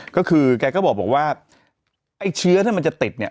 ก็คือแกก็บอกว่าไอ้เชื้อถ้ามันจะติดเนี่ย